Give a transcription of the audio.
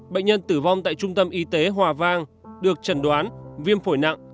bệnh nhân tử vong tại trung tâm y tế hòa vang được trần đoán viêm phổi nặng